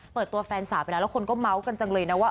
เปิดตัวแฟนสาวไปแล้วแล้วคนก็เมาส์กันจังเลยนะว่า